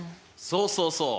そうそうそう。